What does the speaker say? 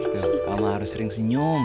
dokter harus sering senyum